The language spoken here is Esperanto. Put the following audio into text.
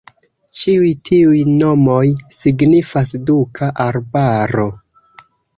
Ĉiuj tiuj nomoj signifas "Duka Arbaro".